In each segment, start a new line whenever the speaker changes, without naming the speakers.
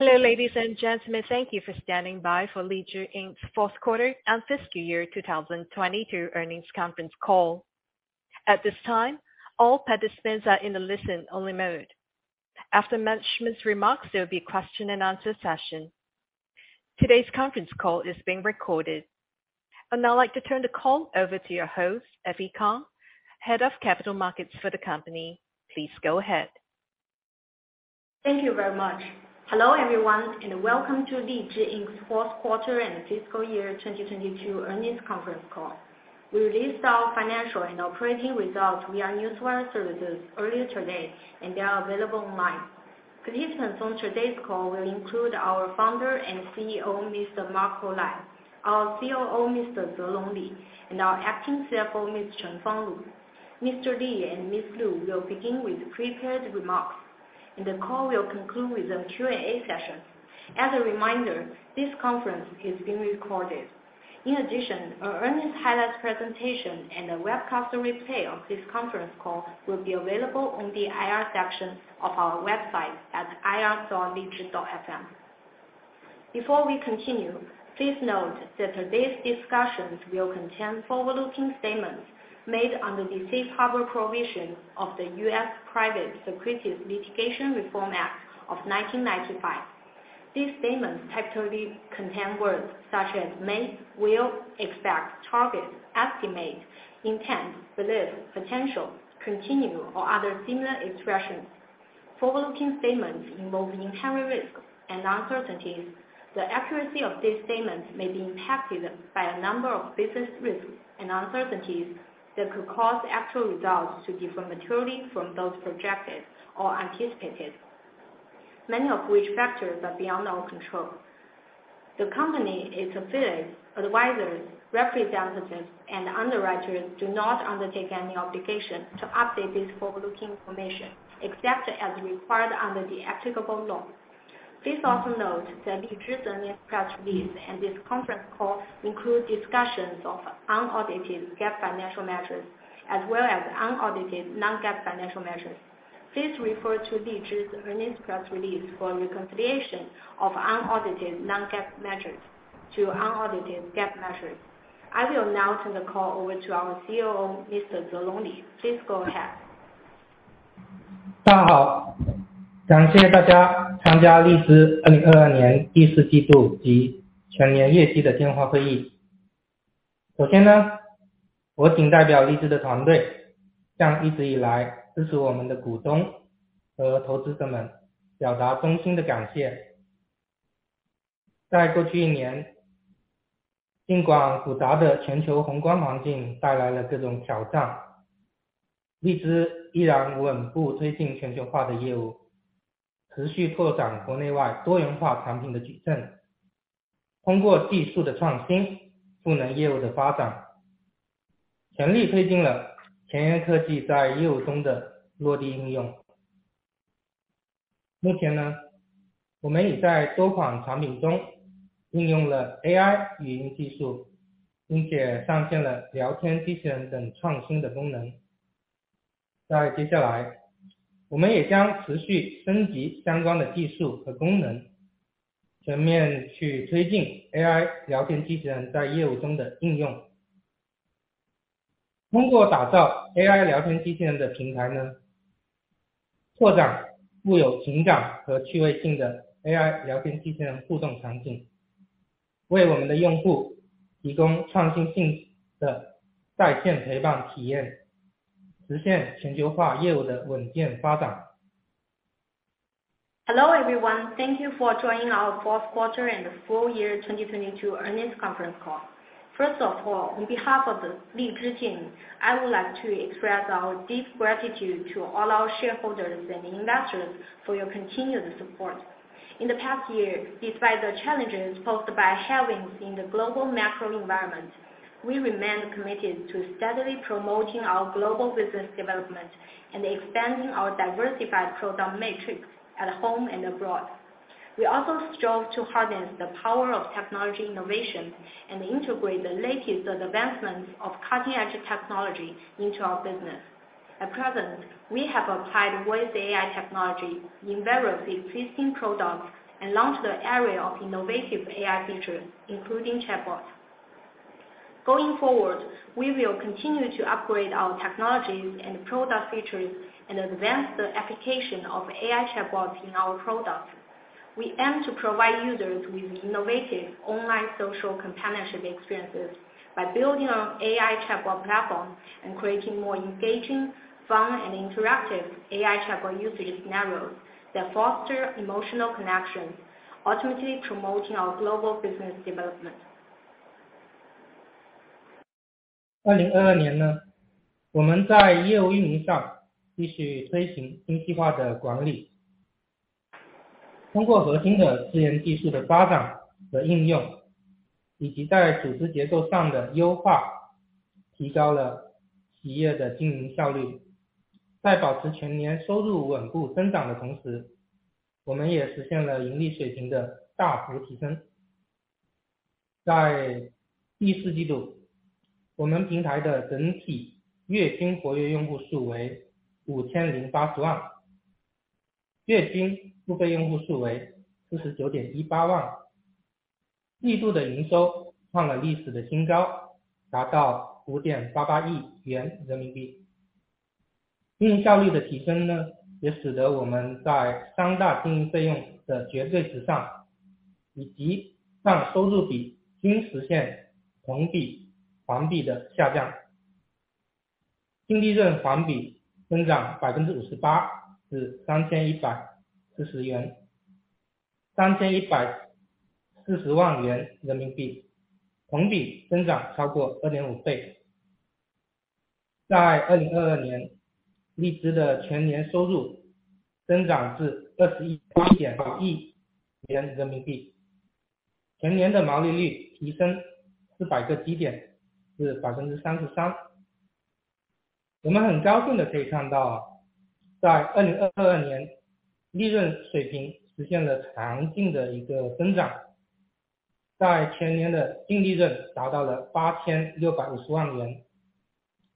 Hello, ladies and gentlemen. Thank you for standing by for LIZHI Inc. fourth quarter and fiscal year 2022 earnings conference call. At this time, all participants are in a listen only mode. After management's remarks, there will be a question and answer session. Today's conference call is being recorded. I'd now like to turn the call over to your host, Effy Kang, Head of Capital Markets for the company. Please go ahead.
Thank you very much. Hello, everyone, and welcome to LIZHI Inc. fourth quarter and fiscal year 2022 earnings conference call. We released our financial and operating results via Newswire services earlier today and they are available online. Participants on today's call will include our Founder and CEO, Mr. Marco Lai, our COO, Mr. Zelong Li, and our acting CFO, Ms. Chengfang Lu. Mr. Li and Ms. Lu will begin with prepared remarks, and the call will conclude with a Q&A session. As a reminder, this conference is being recorded. In addition, our earnings highlights presentation and a webcast replay of this conference call will be available on the IR section of our website at ir.lizhi.fm. Before we continue, please note that today's discussions will contain forward-looking statements made under the Safe Harbor provisions of the U.S. Private Securities Litigation Reform Act of 1995. These statements typically contain words such as may, will, expect, targets, estimate, intent, believe, potential, continue, or other similar expressions. Forward-looking statements involve inherent risks and uncertainties. The accuracy of these statements may be impacted by a number of business risks and uncertainties that could cause actual results to differ materially from those projected or anticipated, many of which factors are beyond our control. The company's affiliates, advisors, representatives and underwriters do not undertake any obligation to update this forward-looking information except as required under the applicable law. Please also note that Lizhi's earnings press release and this conference call include discussions of unaudited GAAP financial measures as well as unaudited non-GAAP financial measures. Please refer to Lizhi's earnings press release for a reconciliation of unaudited non-GAAP measures to unaudited GAAP measures. I will now turn the call over to our COO, Mr. Zelong Li. Please go ahead.
大家 好， 感谢大家参加荔枝2022年 Q4 及全年业绩的电话会议。首先 呢， 我谨代表荔枝的团 队， 向一直以来支持我们的股东和投资者们表达衷心的感谢。在过去一 年， 尽管复杂的全球宏观环境带来了各种挑 战， 荔枝依然稳步推进全球化的业务，持续拓展国内外多元化产品的矩阵。通过技术的创 新， 智能业务的发 展， 全力推进了前沿科技在业务中的落地应用。目前 呢， 我们已在多款产品中应用了 AI 语音技 术， 并且上线了聊天机器人等创新的功能。在接下来，我们也将持续升级相关的技术和功 能， 全面去推进 AI 聊天机器人在业务中的应用。通过打造 AI 聊天机器人的平台 呢， 拓展富有情感和趣味性的 AI 聊天机器人互动场 景， 为我们的用户提供创新性的在线陪伴体验，实现全球化业务的稳健发展。
Hello, everyone. Thank you for joining our fourth quarter and full year 2022 earnings conference call. First of all, on behalf of the LIZHI team, I would like to express our deep gratitude to all our shareholders and investors for your continuous support. In the past year, despite the challenges posed by headwinds in the global macro environment, we remain committed to steadily promoting our global business development and expanding our diversified product matrix at home and abroad. We also strive to harness the power of technology innovation and integrate the latest advancements of cutting-edge technology into our business. At present, we have applied voice AI technology in various existing products and launched a array of innovative AI features, including chatbots. Going forward, we will continue to upgrade our technologies and product features and advance the application of AI chatbots in our products. We aim to provide users with innovative online social companionship experiences by building on AI chatbot platform and creating more engaging, fun, and interactive AI chatbot usage scenarios that foster emotional connection, ultimately promoting our global business development.
二零二二年 呢， 我们在业务运营上继续推行精细化的管 理， 通过核心的智能技术的发展和应 用， 以及在组织结构上的优 化， 提高了企业的经营效率。在保持全年收入稳步增长的同 时， 我们也实现了盈利水平的大幅提升。在第四季度，我们平台的整体月均活跃用户数为五千零八十 万， 月均付费用户数为四十九点一八万。季度的营收创了历史的新 高， 达到五点八八亿元人民币。运营效率的提升 呢， 也使得我们在三大经营费用的绝对值 上， 以及销售比均实现同比环比的下降。净利润环比增长百分之五十八至三千一百四十 元， 三千一百四十万元人民 币， 同比增长超过二点五倍。在2022 年， 荔枝的全年收入增长至二十一-二十一点八亿元人民 币， 全年的毛利率提升四百个基点，是百分之三十三。我们很高兴地可以看 到， 在2022年利润水平实现了强劲的一个增 长， 在全年的净利润达到了八千六百五十万元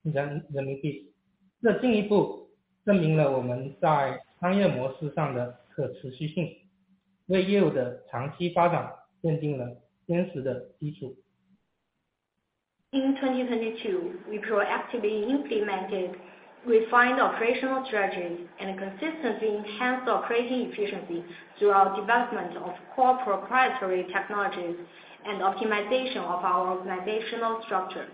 人民-人民 币， 这进一步证明了我们在商业模式上的可持续 性， 为业务的长期发展奠定了坚实的基础。
In 2022, we proactively implemented refined operational strategies and consistently enhanced operating efficiency through our development of core proprietary technologies and optimization of our organizational structure.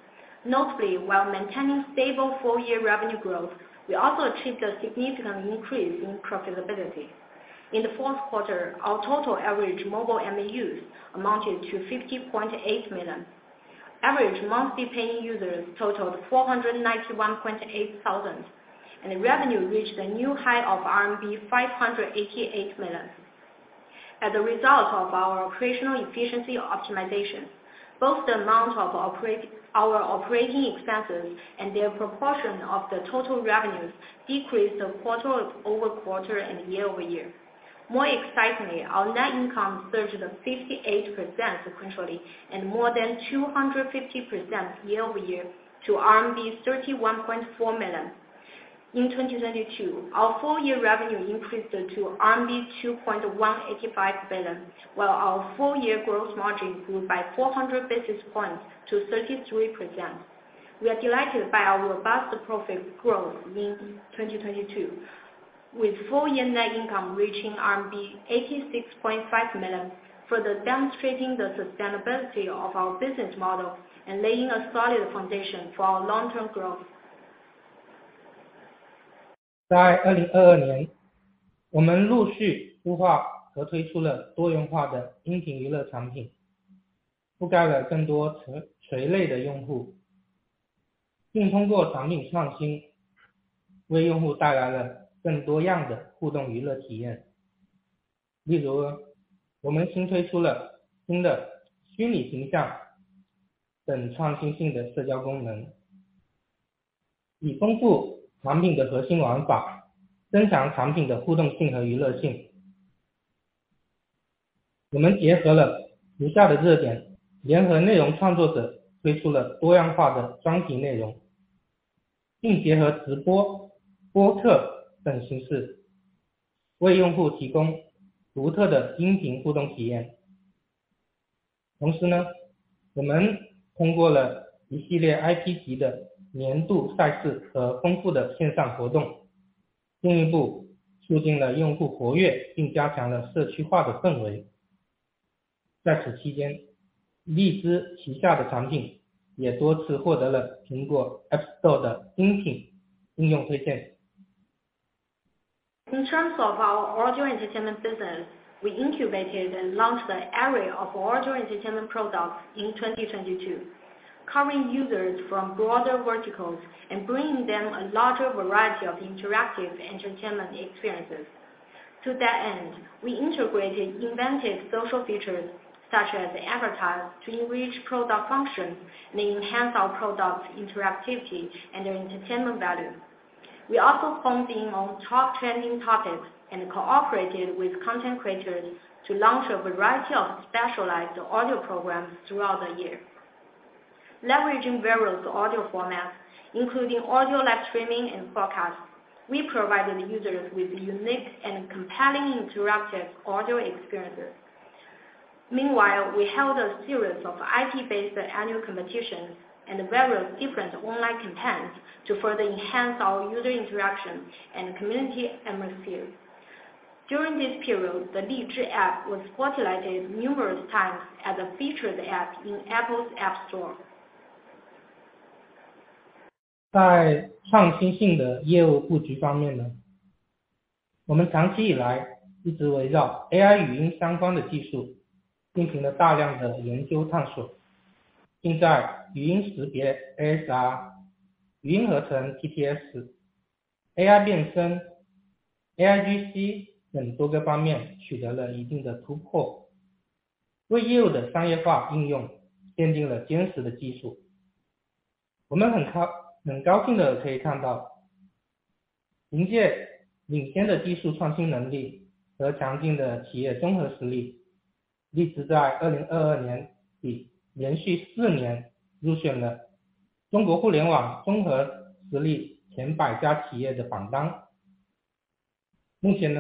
Notably, while maintaining stable full year revenue growth, we also achieved a significant increase in profitability. In the fourth quarter, our total average mobile MAUs amounted to 50.8 million. Average monthly paying users totaled 491.8 thousand, and the revenue reached the new high of RMB 588 million. As a result of our operational efficiency optimization, both the amount of our operating expenses and their proportion of the total revenues decreased quarter-over-quarter and year-over-year. More excitingly, our net income surged 58% sequentially and more than 250% year-over-year to 31.4 million. In 2022, our full year revenue increased to RMB 2.185 billion, while our full year gross margin grew by 400 basis points to 33%. We are delighted by our robust profit growth in 2022, with full year net income reaching RMB 86.5 million, further demonstrating the sustainability of our business model and laying a solid foundation for our long-term growth.
在2022 年， 我们陆续孵化和推出了多元化的音频娱乐产 品， 覆盖了更多垂-垂类的用 户， 并通过产品创新为用户带来了更多样的互动娱乐体验。例 如， 我们新推出了新的虚拟形象等创新性的社交功 能， 以丰富产品的核心玩 法， 增强产品的互动性和娱乐性。我们结合了以下的热 点， 联合内容创作者推出了多样化的专题内容 ，并 结合直播、播客等形 式， 为用户提供独特的音频互动体验。同时 呢， 我们通过了一系列 IP 级的年度赛事和丰富的线上活 动， 进一步促进了用户活 跃， 并加强了社区化的氛围。在此期 间， 荔枝旗下的产品也多次获得了苹果 App Store 的精品应用推荐。
In terms of our audio entertainment business, we incubated and launched an array of audio entertainment products in 2022, covering users from broader verticals and bringing them a larger variety of interactive entertainment experiences. To that end, we integrated inventive social features such as avatars to enrich product functions and enhance our products interactivity and their entertainment value. We also focused on top trending topics and cooperated with content creators to launch a variety of specialized audio programs throughout the year. Leveraging various audio formats, including audio live streaming and broadcasts, we provided users with unique and compelling interactive audio experiences. Meanwhile, we held a series of IP-based annual competitions and various different online contents to further enhance our user interaction and community atmosphere. During this period, the LIZHI App was spotlighted numerous times as a featured app in Apple's App Store.
在创新性的业务布局方 面， 我们长期以来一直围绕 AI 语音相关的技术进行了大量的研究探索，并在语音识别 ASR、语音合成 TTS、AI 变声、AIGC 等多个方面取得了一定的突 破， 为业务的商业化应用奠定了坚实的技术。我们很高兴地可以看到凭借领先的技术创新能力和强劲的企业综合实 力， LIZHI INC. 在2022年已连续4年入选了中国互联网综合实力前100家企业的榜单。目 前，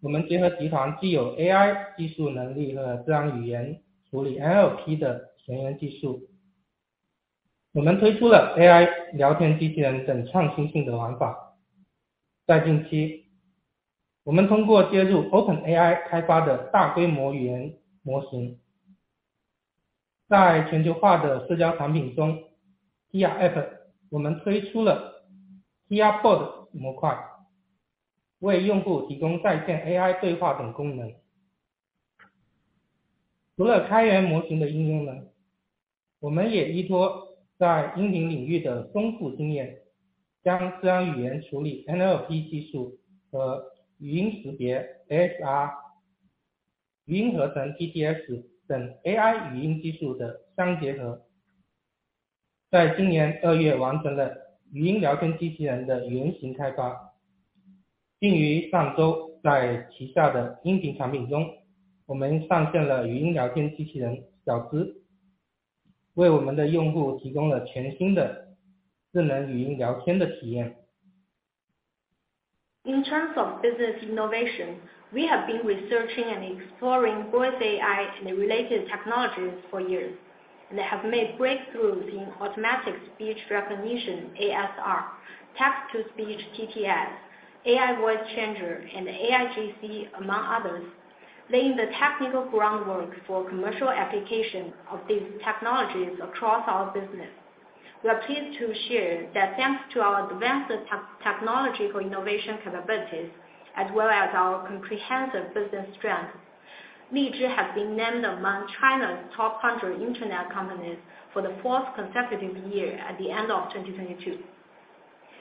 我们结合集团既有 AI 技术能力和自然语言处理 NLP 的开源技术。我们推出了 AI 聊天机器人等创新性的玩法。在近 期， 我们通过接入 OpenAI 开发的大规模语言模型，在全球化的社交产品中 ，TIYA App 我们推出了 TIYA Bot 模 块， 为用户提供在线 AI 对话等功能。除了开源模型的应 用， 我们也依托在音频领域的丰富经 验， 将自然语言处理 NLP 技术和语音识别 ASR、语音合成 TTS 等 AI 语音技术的相结合。在今年 February 完成了语音聊天机器人的原型开发。并于上周在旗下的音频产品 中， 我们上线了语音聊天机器人 Xiao Zhi， 为我们的用户提供了全新的智能语音聊天的体验。
In terms of business innovation, we have been researching and exploring voice AI and the related technologies for years, and have made breakthroughs in automatic speech recognition ASR, text to speech TTS, AI voice changer and AIGC, among others, laying the technical groundwork for commercial application of these technologies across our business. We are pleased to share that thanks to our advanced technology for innovation capabilities as well as our comprehensive business strength, LIZHI has been named among China's top 100 Internet companies for the fourth consecutive year at the end of 2022.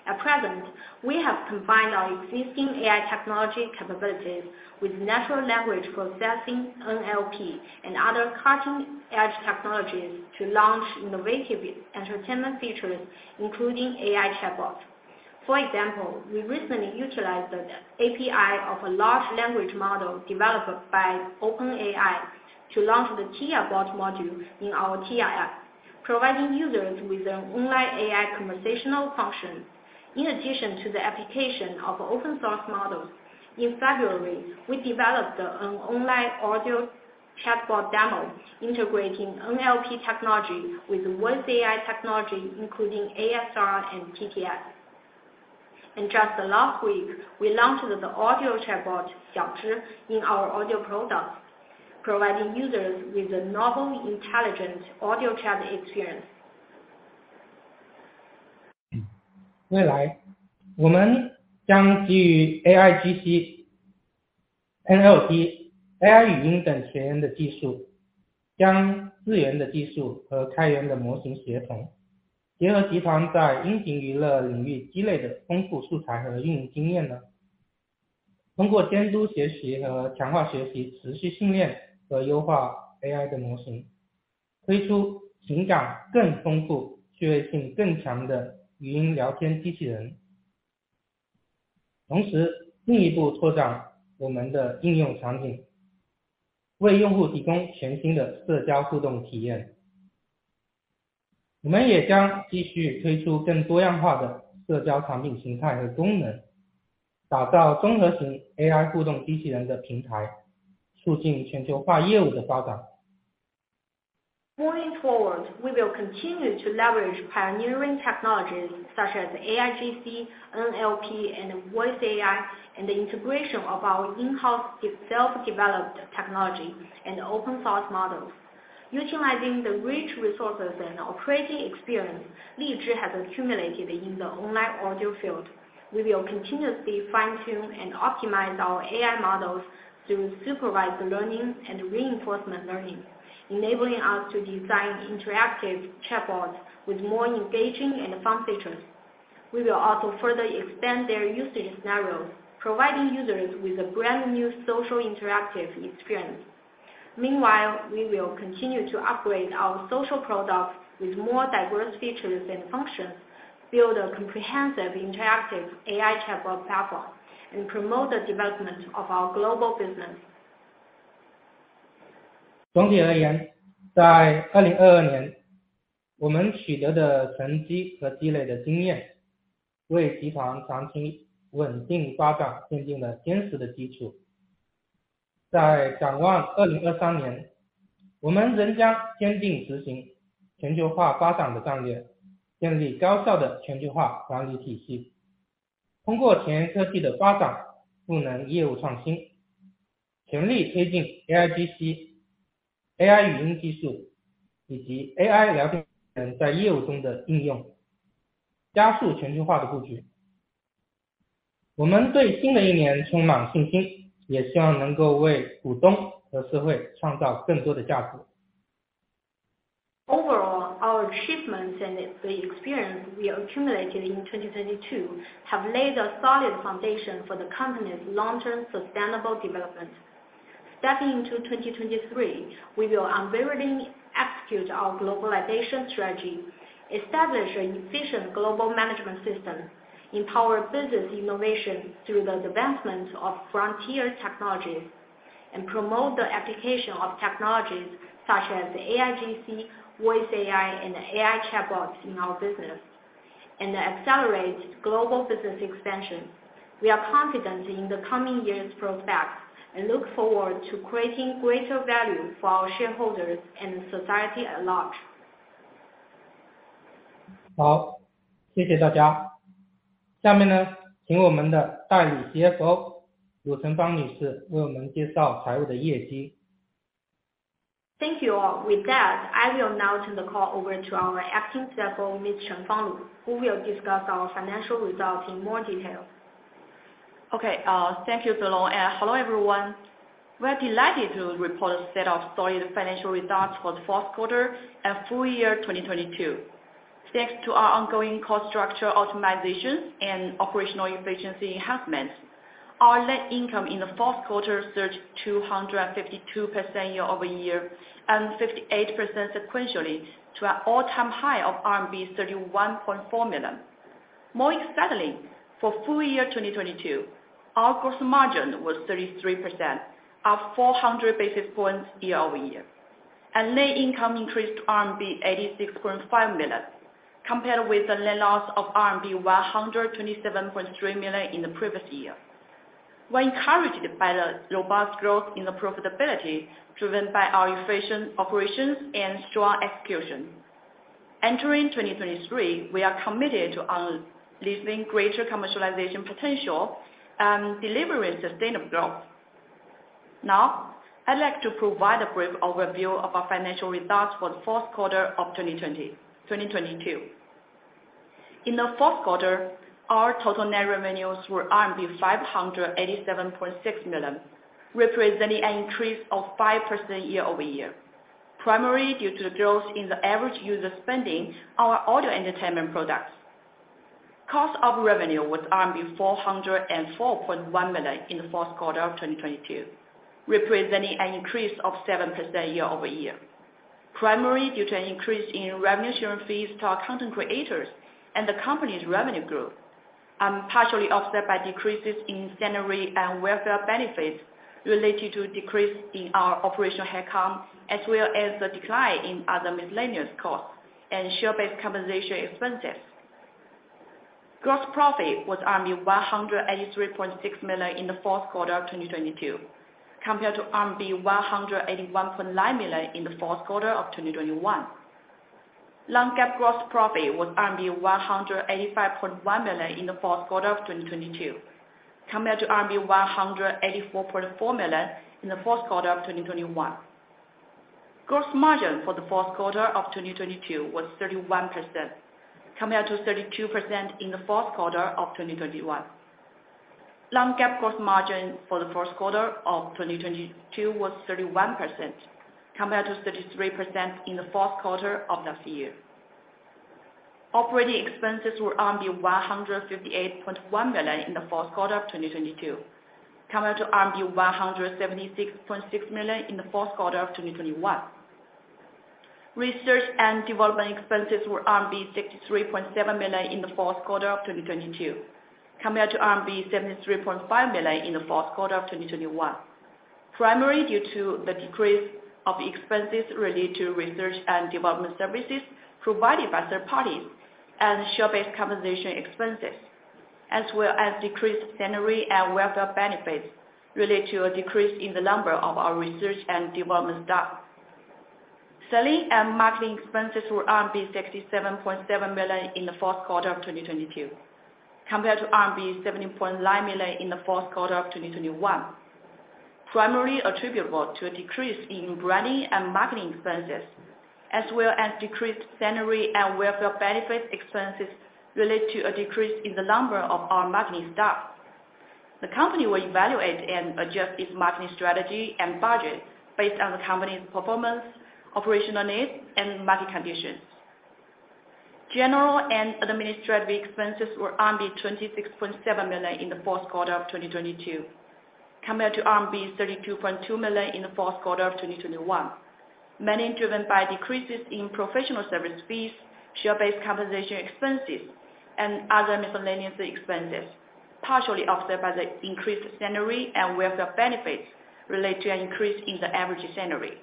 At present, we have combined our existing AI technology capabilities with natural language processing NLP, and other cutting-edge technologies to launch innovative entertainment features, including AI chatbot. For example, we recently utilized the API of a large language model developed by OpenAI to launch the TIYA Bot module in our TIYA App, providing users with an online AI conversational function. In addition to the application of open source models, in February, we developed an online audio chatbot demo integrating NLP technology with voice AI technology, including ASR and TTS. Just the last week, we launched the audio chatbot Xiao Zhi in our audio products, providing users with a novel intelligent audio chat experience.
未来我们将基于 AIGC, NLG, AI 语音等开源的技 术, 将自研的技术和开源的模型协 同, 结合集团在音频娱乐领域积累的丰富素材和运营经验 呢. 通过监督学习和强化学 习, 持续训练和优化 AI 的模 型, 推出情感更丰富、趣味性更强的语音聊天机器 人. 同时另一部拓展我们的应用场 景, 为用户提供全新的社交互动体 验. 我们也将继续推出更多样化的社交产品形态和功 能, 打造综合型 AI 互动机器人的平 台, 促进全球化业务的发 展.
Moving forward, we will continue to leverage pioneering technologies such as AIGC, NLP, and voice AI, and the integration of our in-house self-developed technology and open source models. Utilizing the rich resources and operating experience LIZHI INC. has accumulated in the online audio field. We will continuously fine tune and optimize our AI models through supervised learning and reinforcement learning, enabling us to design interactive chatbots with more engaging and fun features. We will also further expand their usage scenarios, providing users with a brand new social interactive experience. Meanwhile, we will continue to upgrade our social products with more diverse features and functions, build a comprehensive interactive AI chatbot platform, and promote the development of our global business.
总体而 言， 在2022年我们取得的成绩和积累的经 验， 为集团长期稳定发展奠定了坚实的基础。在展望2023 年， 我们仍将坚定执行全球化发展的战 略， 建立高效的全球化管理体系。通过前沿科技的发 展， 赋能业务创 新， 全力推进 AIGC、AI 语音技术以及 AI 聊天人在业务中的应 用， 加速全球化的布局。我们对新的一年充满信心，也希望能够为股东和社会创造更多的价值。
Overall, our achievements and the experience we accumulated in 2022 have laid a solid foundation for the company's long-term sustainable development. Stepping into 2023, we will unwavering execute our globalization strategy, establish an efficient global management system, empower business innovation through the advancement of frontier technologies, promote the application of technologies such as AIGC, voice AI, and AI chatbots in our business, accelerate global business expansion. We are confident in the coming years' prospects and look forward to creating greater value for our shareholders and society at large. Thank you all. With that, I will now turn the call over to our Acting CFO, Ms. Chengfang Lu, who will discuss our financial results in more detail.
Okay. Thank you, Zelong, and hello, everyone. We're delighted to report a set of solid financial results for the fourth quarter and full year 2022. Thanks to our ongoing cost structure optimizations and operational efficiency enhancements, our net income in the fourth quarter surged 252% year-over-year and 58% sequentially to an all-time high of RMB 31.4 million. More excitingly, for full year 2022, our gross margin was 33%, up 400 basis points year-over-year. Net income increased to RMB 86.5 million, compared with the net loss of RMB 127.3 million in the previous year. We're encouraged by the robust growth in the profitability driven by our efficient operations and strong execution. Entering 2023, we are committed to unleashing greater commercialization potential and delivering sustainable growth. I'd like to provide a brief overview of our financial results for the fourth quarter of 2022. In the fourth quarter, our total net revenues were RMB 587.6 million, representing an increase of 5% year-over-year, primarily due to the growth in the average user spending on our audio entertainment products. Cost of revenue was 404.1 million in the fourth quarter of 2022, representing an increase of 7% year-over-year, primarily due to an increase in revenue sharing fees to our content creators and the company's revenue growth, partially offset by decreases in salary and welfare benefits related to a decrease in our operational headcount, as well as the decline in other miscellaneous costs and share-based compensation expenses. Gross profit was 183.6 million in the fourth quarter of 2022, compared to 181.9 million in the fourth quarter of 2021. Non-GAAP gross profit was 185.1 million in the fourth quarter of 2022, compared to 184.4 million in the fourth quarter of 2021. Gross margin for the fourth quarter of 2022 was 31%, compared to 32% in the fourth quarter of 2021. Non-GAAP gross margin for the fourth quarter of 2022 was 31%, compared to 33% in the fourth quarter of last year. Operating expenses were 158.1 million in the fourth quarter of 2022, compared to RMB 176.6 million in the fourth quarter of 2021. Research and development expenses were RMB 63.7 million in the fourth quarter of 2022, compared to RMB 73.5 million in the fourth quarter of 2021, primarily due to the decrease of expenses related to research and development services provided by third parties and share-based compensation expenses, as well as decreased salary and welfare benefits related to a decrease in the number of our research and development staff. Selling and marketing expenses were RMB 67.7 million in the fourth quarter of 2022, compared to RMB 70.9 million in the fourth quarter of 2021, primarily attributable to a decrease in branding and marketing expenses, as well as decreased salary and welfare benefit expenses related to a decrease in the number of our marketing staff. The company will evaluate and adjust its marketing strategy and budget based on the company's performance, operational needs, and market conditions. General and administrative expenses were RMB 26.7 million in the fourth quarter of 2022, compared to RMB 32.2 million in the fourth quarter of 2021, mainly driven by decreases in professional service fees, share-based compensation expenses, and other miscellaneous expenses, partially offset by the increased salary and welfare benefits related to an increase in the average salary.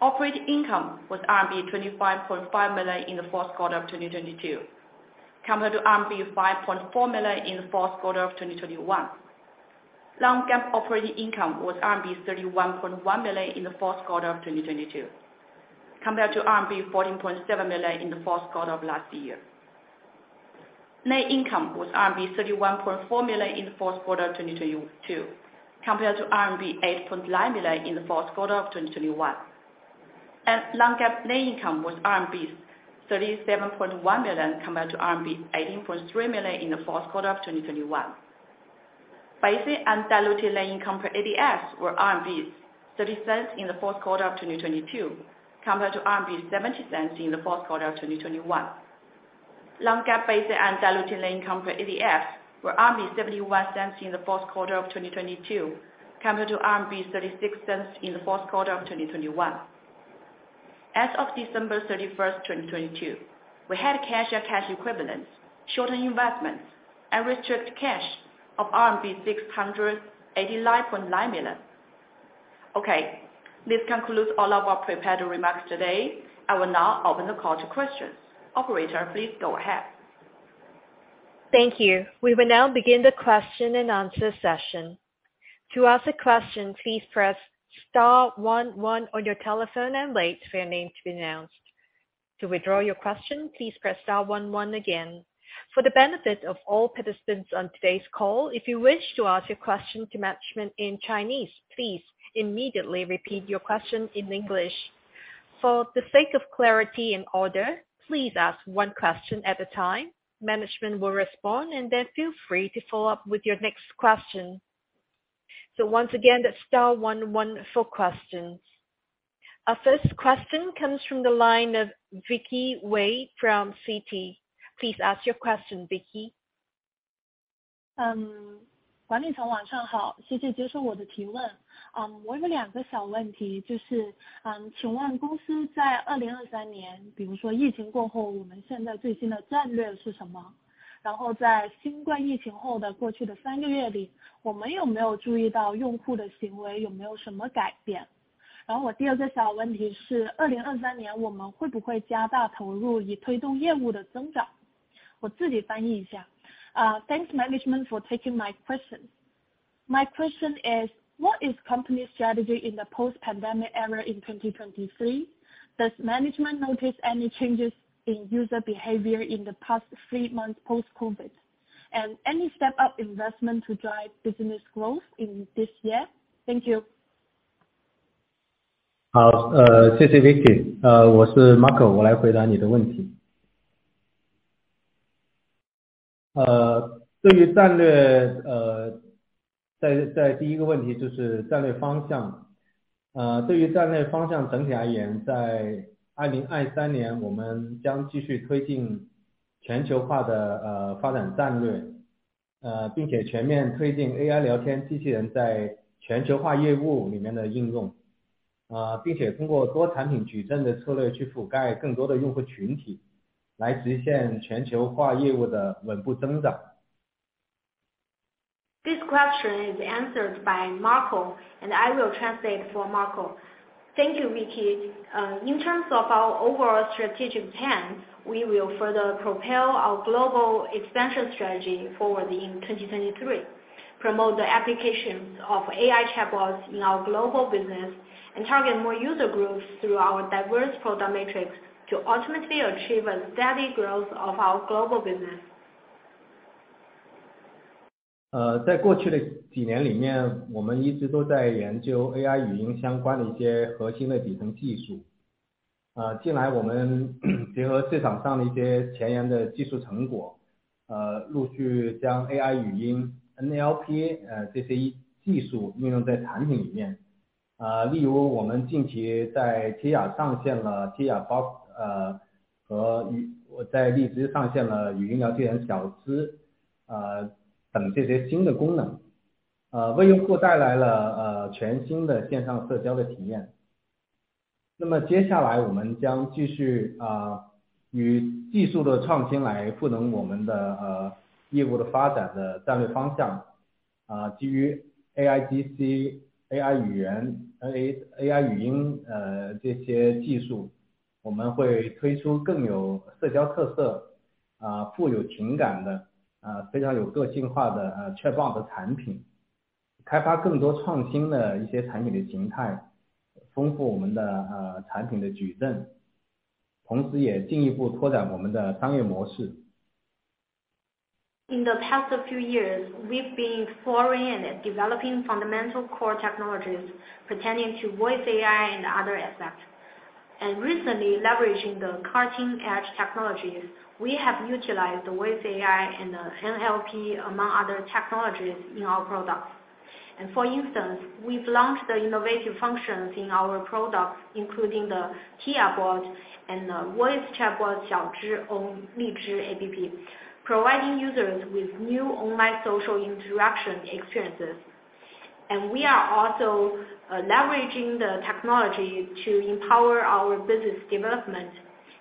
Operating income was RMB 25.5 million in the fourth quarter of 2022, compared to RMB 5.4 million in the fourth quarter of 2021. Non-GAAP operating income was RMB 31.1 million in the fourth quarter of 2022, compared to RMB 14.7 million in the fourth quarter of last year. Net income was RMB 31.4 million in the fourth quarter of 2022, compared to RMB 8.9 million in the fourth quarter of 2021. Non-GAAP net income was RMB 37.1 million compared to RMB 18.3 million in the fourth quarter of 2021. Basic and diluted net income per ADS were 0.30 in the fourth quarter of 2022, compared to 0.70 in the fourth quarter of 2021. Non-GAAP basic and diluted net income for ADS were 0.71 in the fourth quarter of 2022, compared to 0.36 in the fourth quarter of 2021. As of December 31st, 2022, we had cash and cash equivalents, short-term investments and restricted cash of RMB 689.9 million. Okay, this concludes all of our prepared remarks today. I will now open the call to questions. Operator, please go ahead.
Thank you. We will now begin the question-and-answer session. To ask a question, please press star one one on your telephone and wait for your name to be announced. To withdraw your question, please press star one one again. For the benefit of all participants on today's call, if you wish to ask your question to management in Chinese, please immediately repeat your question in English. For the sake of clarity and order, please ask one question at a time. Management will respond and then feel free to follow up with your next question. Once again, the star one one for questions. Our first question comes from the line of Vicky Wei from Citi. Please ask your question, Vicky.
嗯， 管理层晚上 好， 谢谢接受我的提问。嗯， 我有两个小问 题， 就 是， 嗯， 请问公司在2023 年， 比如说疫情过 后， 我们现在最新的战略是什 么？ 然后在新冠疫情后的过去的三个月 里， 我们有没有注意到用户的行为有没有什么改 变？ 然后我第二个小问题是2023年我们会不会加大投入以推动业务的增 长？ 我自己翻译一下。Uh, thanks management for taking my question.
My question is, what is company strategy in the post-pandemic era in 2023? Does management notice any changes in user behavior in the past three months post-COVID? Any step up investment to drive business growth in this year? Thank you.
好， 呃， 谢谢 Vicky， 呃， 我是 Marco， 我来回答你的问题。呃， 对于战 略， 呃， 在-在第一个问题就是战略方 向， 呃， 对于战略方向整体而 言， 在2023年我们将继续推进全球化 的， 呃， 发展战 略， 呃， 并且全面推进 AI 聊天机器人在全球化业务里面的应 用， 呃， 并且通过多产品矩阵的策略去覆盖更多的用户群 体， 来实现全球化业务的稳步增长。
This question is answered by Marco. I will translate for Marco. Thank you, Vicky. In terms of our overall strategic plan, we will further propel our global expansion strategy forward in 2023. Promote the applications of AI chatbots in our global business, and target more user groups through our diverse product matrix to ultimately achieve a steady growth of our global business.
在过去的几年里 面， 我们一直都在研究 AI 语音相关的一些核心的底层技术。近来我们结合市场上的一些前沿的技术成 果， 陆续将 AI 语音 ，NLP， 这些技术运用在产品里面。例如我们近期在 TIYA 上线了 TIYA Bot， 和在 LIZHI 上线了语音聊天 Xiao Zhi， 等这些新的功 能， 为用户带来了全新的线上社交的体验。那么接下来我们将继续 啊， 与技术的创新来赋能我们的业务的发展的战略方向。基于 AIGC、AI 语言、AI 语 音， 这些技 术， 我们会推出更有社交特 色， 富有情感的，非常有个性化的 chatbot 的产 品， 开发更多创新的一些产品的形 态， 丰富我们的产品的矩 阵， 同时也进一步拓展我们的商业模式。
In the past few years, we've been exploring and developing fundamental core technologies pertaining to voice AI and other aspects. Recently, leveraging the cutting-edge technologies, we have utilized voice AI and NLP, among other technologies in our products. For instance, we've launched the innovative functions in our products, including the TIYA Bot and the voice chatbot Xiao Zhi on LIZHI App, providing users with new online social interaction experiences. We are also leveraging the technology to empower our business development.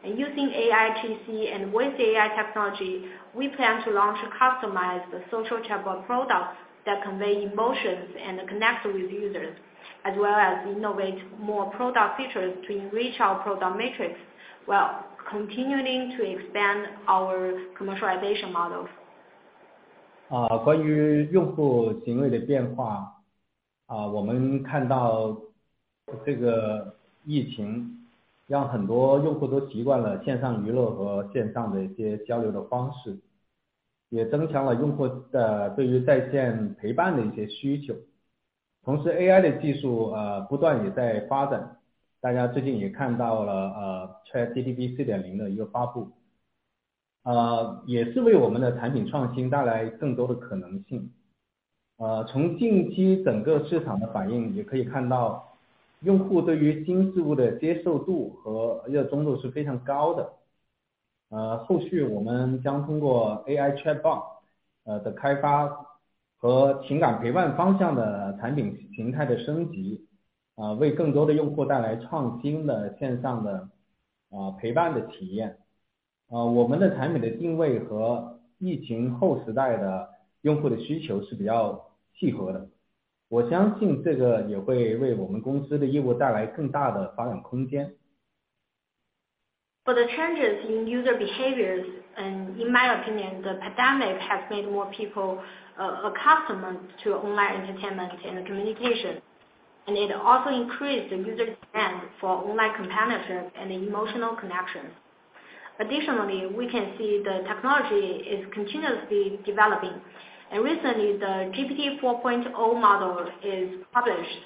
Using AIGC and voice AI technology, we plan to launch customized social chatbot products that convey emotions and connect with users, as well as innovate more product features to enrich our product matrix, while continuing to expand our commercialization models.
关于用户行为的变 化， 我们看到这个疫情让很多用户都习惯了线上娱乐和线上的一些交流的方 式， 也增强了用户的对于在线陪伴的一些需求。同时 ，AI 的技术不断也在发展。大家最近也看到 了， ChatGPT 4.0 的一个发 布， 也是为我们的产品创新带来更多的可能性。从近期整个市场的反应也可以看 到， 用户对于新事物的接受度和热衷度是非常高的。后续我们将通过 AI chatbot 的开发和情感陪伴方向的产品形态的升 级， 为更多的用户带来创新的线上的陪伴的体验。我们的产品的定位和疫情后时代的用户的需求是比较契合 的， 我相信这个也会为我们公司的业务带来更大的发展空间。
For the changes in user behaviors, in my opinion, the pandemic has made more people accustomed to online entertainment and communication, and it also increased the user demand for online companionship and emotional connection. Additionally, we can see the technology is continuously developing, and recently the GPT 4.0 model is published.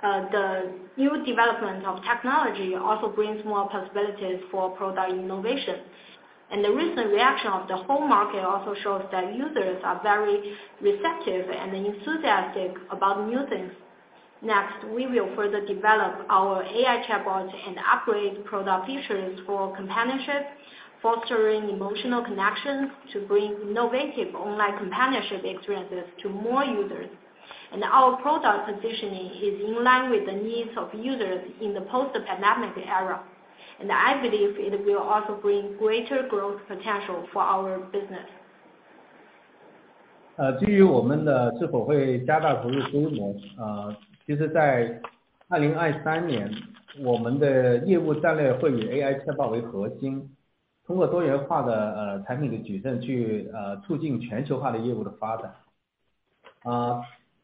The new development of technology also brings more possibilities for product innovation, and the recent reaction of the whole market also shows that users are very receptive and enthusiastic about new things. Next, we will further develop our AI chatbot and upgrade product features for companionship, fostering emotional connections to bring innovative online companionship experiences to more users. Our product positioning is in line with the needs of users in the post-pandemic era, and I believe it will also bring greater growth potential for our business.
至于我们的是否会加大投入 规模， 其实在2023 年， 我们的业务战略会以 AI chatbot 为 核心， 通过多元化的产品的矩阵去促进全球化的业务的发展。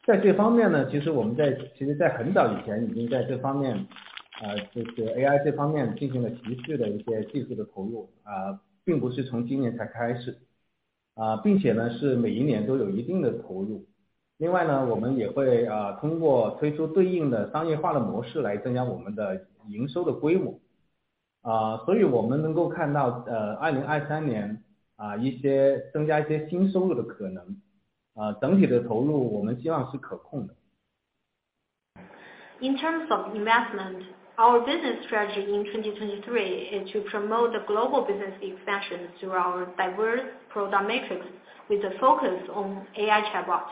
在这方面 呢， 其实我们在很早以前已经在这 方面， 就是 AI 这方面进行了持续的一些技术的 投入， 并不是从今年才 开始， 并且 呢， 是每一年都有一定的投入。另外 呢， 我们也会通过推出对应的商业化的模式来增加我们的营收的 规模， 我们能够看到 2023 年， 一些增加一些新收入的 可能， 整体的投入我们希望是可控的。
In terms of investment, our business strategy in 2023 is to promote the global business expansion through our diverse product matrix with a focus on AI chatbot.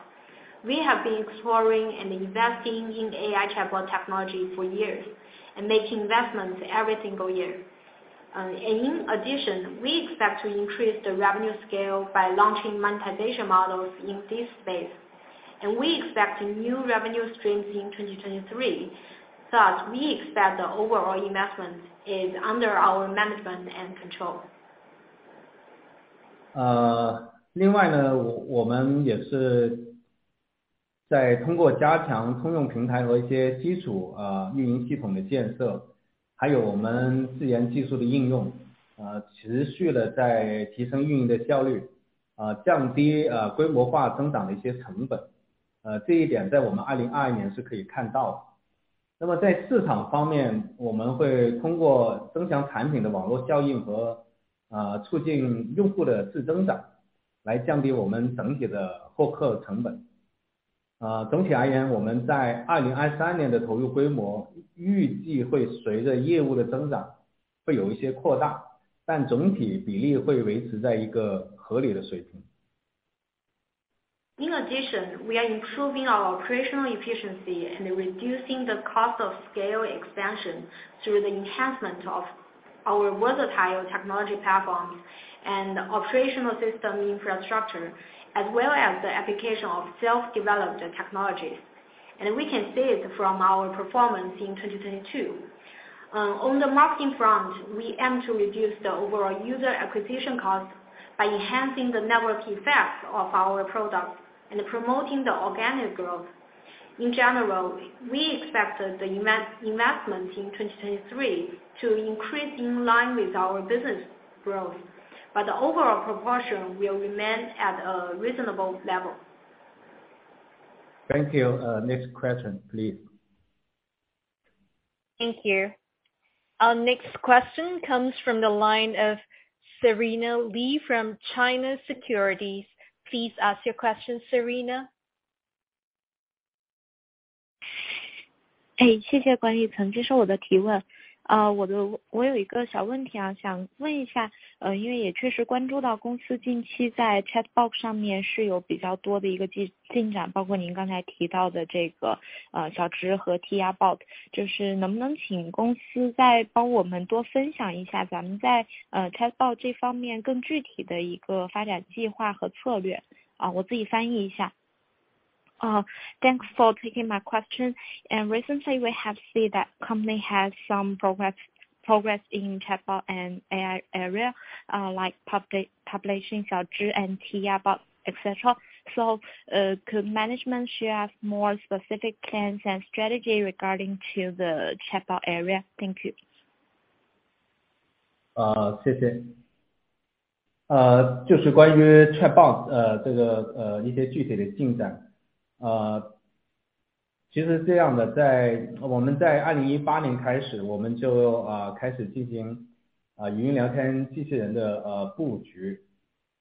We have been exploring and investing in AI chatbot technology for years, and make investments every single year. In addition, we expect to increase the revenue scale by launching monetization models in this space, and we expect new revenue streams in 2023. Thus, we expect the overall investment is under our management and control.
我们也是在通过加强通用平台和一些基 础, 运营系统的建 设, 还有我们自研技术的应 用, 持续地在提升运营的效 率, 降低规模化增长的一些成 本. 这一点在我们2022年是可以看到 的. 在市场方 面, 我们会通过增强产品的网络效应 和, 促进用户的自增长来降低我们整体的获客成 本. 总体而 言, 我们在2023年的投入规模预计会随着业务的增长会有一些扩 大, 但总体比例会维持在一个合理的水 平.
In addition, we are improving our operational efficiency and reducing the cost of scale expansion through the enhancement of our versatile technology platforms and operational system infrastructure, as well as the application of self-developed technologies. We can see it from our performance in 2022. On the marketing front, we aim to reduce the overall user acquisition cost by enhancing the network effect of our products and promoting the organic growth. In general, we expect the investment in 2023 to increase in line with our business growth, but the overall proportion will remain at a reasonable level.
Thank you. Next question, please.
Thank you. Our next question comes from the line of Serena Lee from China Securities. Please ask your question, Serena.
谢谢 Yucheng Guan 接受我的提问。我的我有一个小问 题， 想问一 下， 因为也确实关注到公司近期在 chatbot 上面是有比较多的一个 进展， 包括您刚才提到的这 个， Xiao Zhi 和 TIYA Bot， 就是能不能请公司再帮我们多分享一下咱们 在， chatbot 这方面更具体的一个发展计划和策略。我自己翻译一下。
Thanks for taking my question. Recently we have see that company has some progress in chatbot and AI area, like publishing Xiao Zhi and TIYA Bot. Could management share more specific plans and strategy regarding to the chatbot area? Thank you.
谢谢. 就是关于 chatbot， 这 个， 一些具体的进 展， 其实这样 的， 在我们在2018开 始， 我们就开始进行语音聊天机器人的布 局.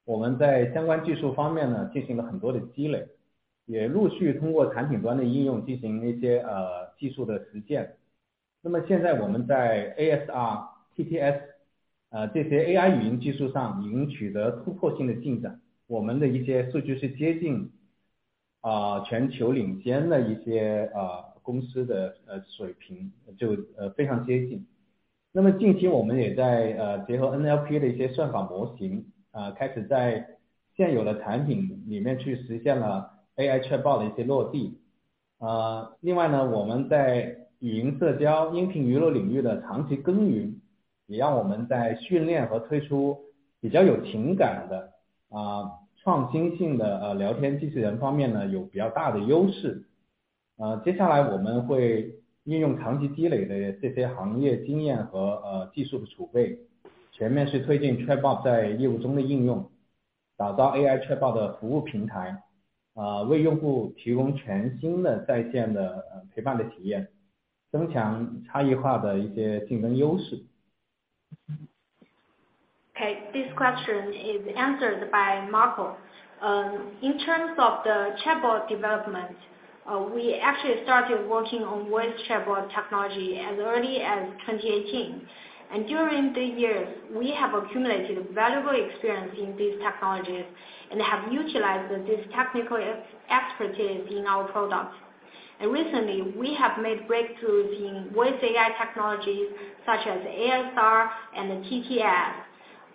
我们在相关技术方面 呢， 进行了很多的积 累， 也陆续通过产品端的应用进行一些技术的实 践. 现在我们在 ASR、TTS， 这些 AI 语音技术上已经取得突破性的进 展， 我们的一些数据是接近全球领先的一些公司的水 平， 就非常接 近. 近期我们也在结合 NLP 的一些算法模 型， 开始在现有的产品里面去实现了 AI chatbot 的一些落 地. 另外 呢， 我们在语音社交、音频娱乐领域的长期耕 耘， 也让我们在训练和推出比较有情感的创新性的聊天机器人方面 呢， 有比较大的优 势. 接下来我们会运用长期积累的这些行业经验和技术的储 备， 全面去推进 chatbot 在业务中的应 用， 打造 AI chatbot 的服务平 台， 为用户提供全新的在线的陪伴的体 验， 增强差异
OK, this question is answered by Marco. In terms of the chat bot development, we actually started working on voice chat bot technology as early as 2018. During these years, we have accumulated valuable experience in these technologies, and have utilized this technical expertise in our product. Recently we have made breakthroughs in voice AI technologies such as ASR and TTS.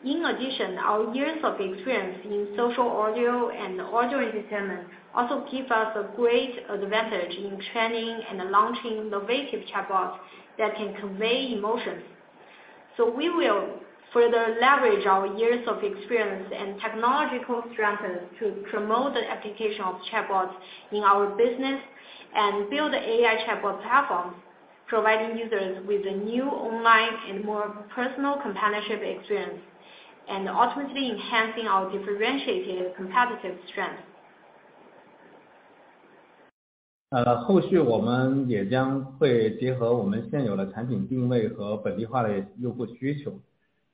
In addition, our years of experience in social audio and audio entertainment also give us a great advantage in training and launching innovative chat bot that can convey emotions. We will further leverage our years of experience and technological strengths to promote the application of chat bot in our business, and build AI chat bot platforms, providing users with a new online and more personal companionship experience, and ultimately enhancing our differentiated competitive strength.
呃， 后续我们也将会结合我们现有的产品定位和本地化的用户需 求，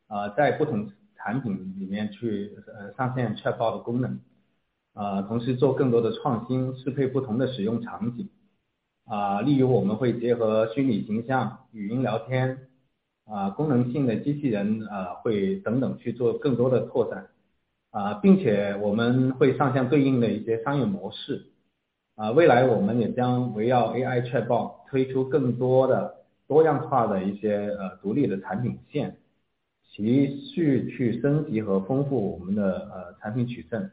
啊， 在不同产品里面去 呃， 上线 chat bot 的功 能， 呃， 同时做更多的创 新， 适配不同的使用场景。啊， 例如我们会结合虚拟形象、语音聊 天， 啊， 功能性的机器 人， 啊， 会等 等， 去做更多的拓展。啊， 并且我们会上线对应的一些商业模式。啊， 未来我们也将围绕 AI chat bot 推出更多的多样化的一些 呃， 独立的产品 线， 持续去升级和丰富我们的 呃， 产品矩 阵，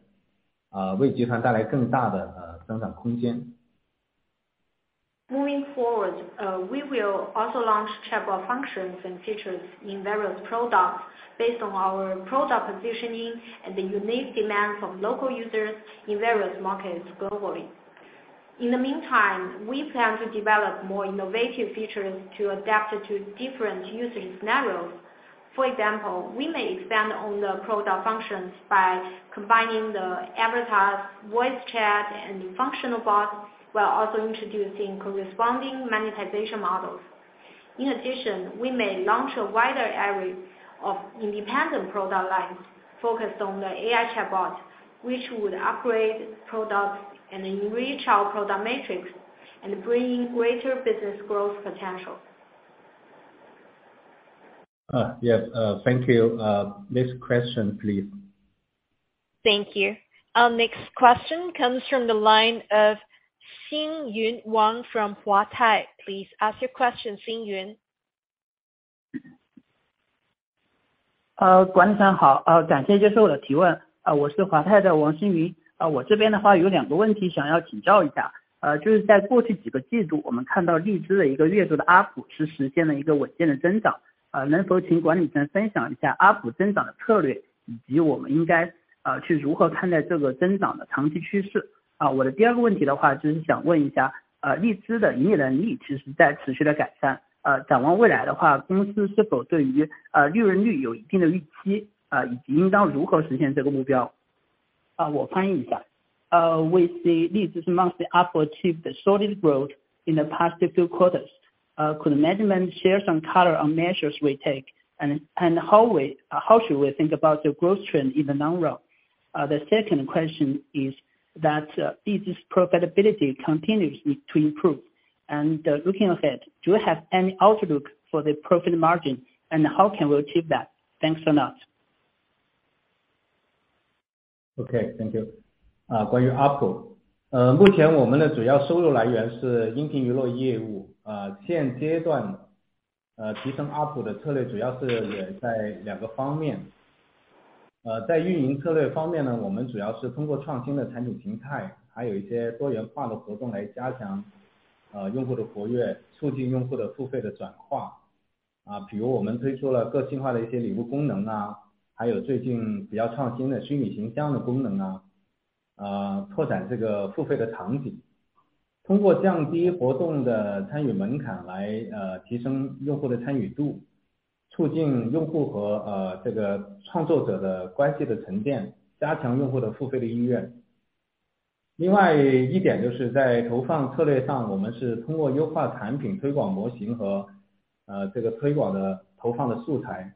啊， 为集团带来更大的 呃， 增长空间。
Moving forward, we will also launch chatbot functions and features in various products based on our product positioning and the unique demands of local users in various markets globally. In the meantime, we plan to develop more innovative features to adapt to different user scenarios. For example, we may expand on the product functions by combining the avatars, voice chat, and functional bots, while also introducing corresponding monetization models. In addition, we may launch a wider array of independent product lines focused on the AI chatbot, which would upgrade products and enrich our product matrix, and bring greater business growth potential.
Yes, thank you. Next question, please.
Thank you. Our next question comes from the line of Xing Yun Wang from Huatai. Please ask your question, Xing Yun.
呃， 管理层 好， 呃， 感谢接受我的提问。呃， 我是华泰的王欣云。呃， 我这边的话有两个问题想要请教一 下， 呃， 就是在过去几个季 度， 我们看到荔枝的一个月度的 ARPU 是实现了一个稳健的增 长， 呃， 能否请管理层分享一下 ARPU 增长的策 略， 以及我们应该 啊， 去如何看待这个增长的长期趋 势？ 啊， 我的第二个问题的话就是想问一 下， 呃， 荔枝的盈利能力其实在持续地改 善， 呃， 展望未来的 话， 公司是否对于 呃， 利润率有一定的预 期， 呃， 以及应当如何实现这个目 标？
我翻译一下。With the LIZHI's monthly ARPU achieved solid growth in the past few quarters, could the management share some color on measures we take, and how should we think about the growth trend in the long run? The second question is that LIZHI's profitability continues to improve. Looking ahead, do you have any outlook for the profit margin, and how can we achieve that? Thanks a lot.
OK, thank you. 关于 ARPU, 目前我们的主要收入来源是音频娱乐业 务, 现阶段提升 ARPU 的策略主要是也在2个方 面. 在运营策略方面 呢, 我们主要是通过创新的产品形 态, 还有一些多元化的活动来加强用户的活 跃, 促进用户的付费的转 化. 比如我们推出了个性化的一些礼物功 能, 还有最近比较创新的虚拟形象的功 能, 拓展这个付费的场 景, 通过降低活动的参与门槛来提升用户的参与 度, 促进用户和这个创作者的关系的沉 淀, 加强用户的付费的意 愿. 另外一点就是在投放策略 上, 我们是通过优化产品推广模型和这个推广的投放的素 材,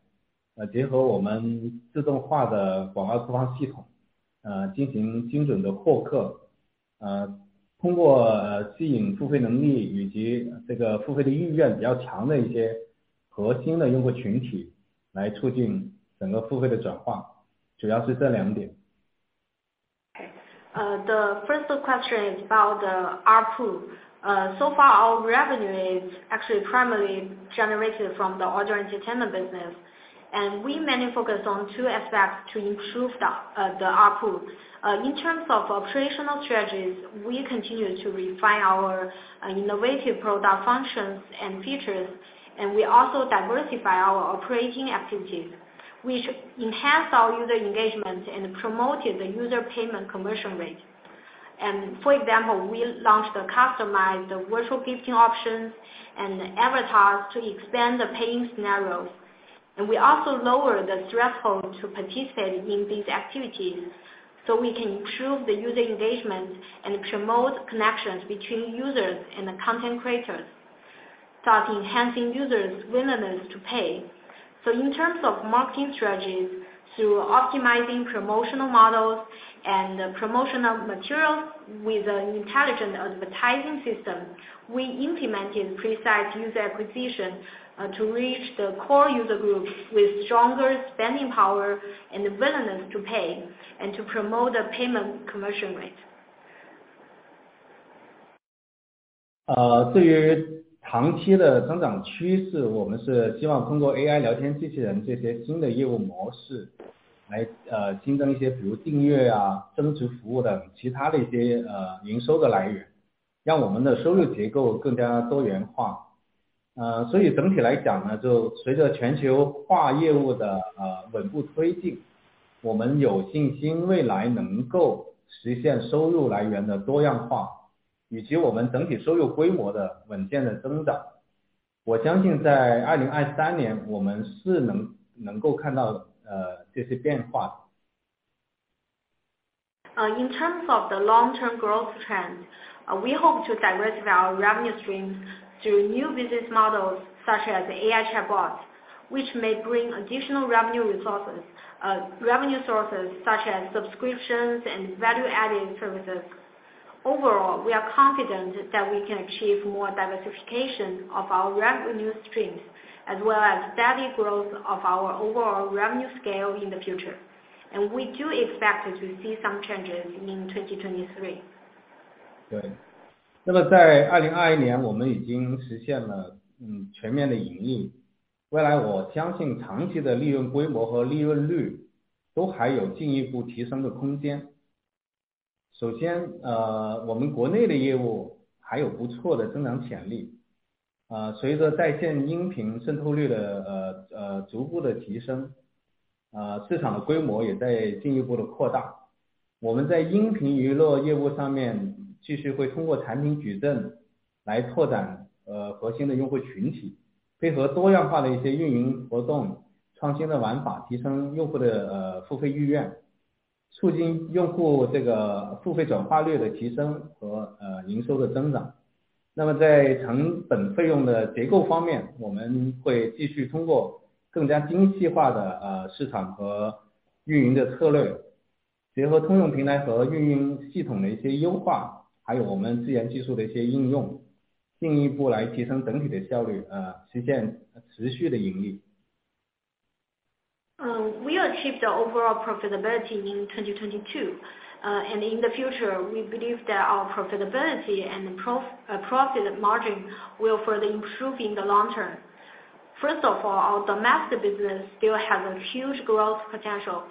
结合我们自动化的广告投放系 统, 进行精准的获 客, 通过吸引付费能力以及这个付费的意愿比较强的一些核心的用户群 体, 来促进整个付费的转 化. 主要是这2 点.
The first question is about the ARPU. So far our revenue is actually primarily generated from the audio entertainment business. We mainly focus on two aspects to improve the ARPU. In terms of operational strategies, we continue to refine our innovative product functions and features, and we also diversify our operating activities, which enhance our user engagement and promoted the user payment conversion rate. For example, we launched the customized virtual gifting options and avatars to expand the paying scenarios. We also lower the threshold to participate in these activities so we can improve the user engagement and promote connections between users and the content creators, thus enhancing users' willingness to pay. In terms of marketing strategies, through optimizing promotional models and promotional materials with an intelligent advertising system, we implemented precise user acquisition to reach the core user groups with stronger spending power and willingness to pay, and to promote the payment conversion rate.
呃， 对于长期的增长趋 势， 我们是希望通过 AI 聊天机器人这些新的业务模式来 呃， 新增一些比如订阅啊、增值服务等其他的一些 呃， 营收的来 源， 让我们的收入结构更加多元化。呃， 所以整体来讲 呢， 就随着全球化业务的 呃， 稳步推 进， 我们有信心未来能够实现收入来源的多样化，以及我们整体收入规模的稳健的增长。我相信在2023年我们是 能， 能够看到 呃， 这些变化的。
In terms of the long-term growth trend, we hope to diversify our revenue streams through new business models, such as AI chatbots, which may bring additional revenue sources such as subscriptions and value-added services. Overall, we are confident that we can achieve more diversification of our revenue streams, as well as steady growth of our overall revenue scale in the future. We do expect to see some changes in 2023.
对. 在2021年我们已经实现了全面的盈 利. 未来我相信长期的利润规模和利润率都还有进一步提升的空 间. 首 先， 我们国内的业务还有不错的增长潜 力， 随着在线音频渗透率的逐步的提 升， 市场的规模也在进一步的扩 大. 我们在音频娱乐业务上面继续会通过产品矩阵来拓展核心的用户群 体， 配合多样化的一些运营活 动， 创新的玩 法， 提升用户的付费意愿，促进用户这个付费转化率的提升和营收的增 长. 在成本费用的结构方 面， 我们会继续通过更加精细化的市场和运营的策 略， 结合通用平台和运营系统的一些优 化， 还有我们自身技术的一些应 用， 进一步来提升整体的效 率， 实现持续的盈 利.
We achieved the overall profitability in 2022. In the future, we believe that our profitability and profit margin will further improve in the long term. First of all, our domestic business still has a huge growth potential.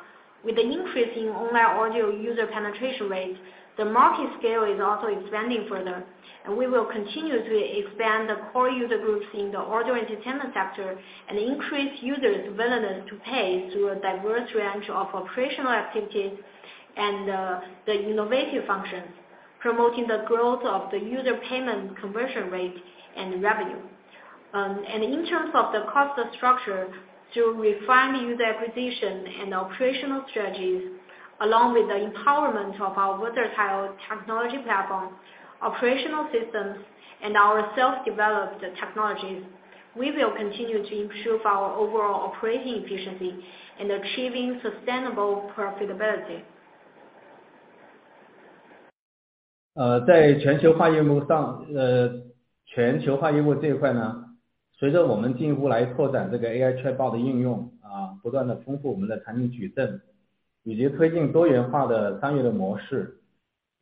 With the increase in online audio user penetration rates, the market scale is also expanding further. We will continue to expand the core user groups in the audio entertainment sector and increase users willingness to pay through a diverse range of operational activities and the innovative functions, promoting the growth of the user payment conversion rate and revenue. In terms of the cost structure, through refining user acquisition and operational strategies along with the empowerment of our versatile technology platform, operational systems, and our self-developed technologies, we will continue to improve our overall operating efficiency in achieving sustainable profitability.
在全球化业务 上， 全球化业务这一块 呢， 随着我们进一步来拓展这个 AI chatbot 的应 用， 不断地丰富我们的产品矩阵，以及推进多元化的商业的模 式，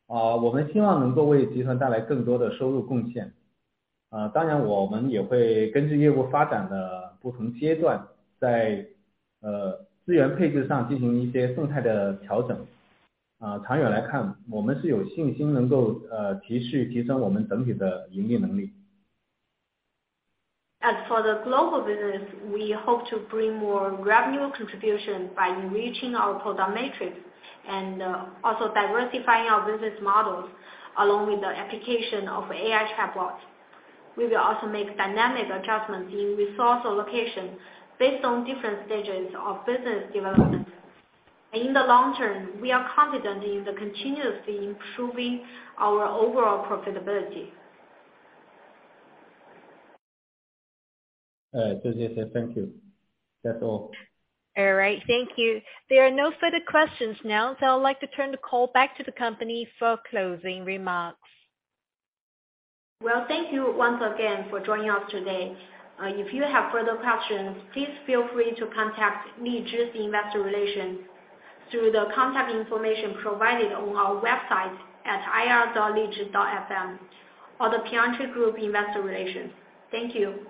我们希望能够为集团带来更多的收入贡献。当然我们也会根据业务发展的不同阶 段， 在资源配置上进行一些动态的调整。长远来 看， 我们是有信心能够持续提升我们整体的盈利能力。
As for the global business, we hope to bring more revenue contribution by enriching our product matrix and also diversifying our business models along with the application of AI chatbots. We will also make dynamic adjustments in resource allocation based on different stages of business development. In the long term, we are confident in the continuously improving our overall profitability.
就这 些, thank you. That's all.
All right. Thank you. There are no further questions now, I'd like to turn the call back to the company for closing remarks.
Well, thank you once again for joining us today. If you have further questions, please feel free to contact LIZHI Investor Relations through the contact information provided on our website at ir.lizhi.fm or The Piacente Group Investor Relations. Thank you